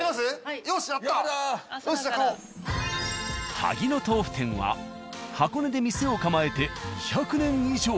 「萩野豆腐店」は箱根で店を構えて２００年以上。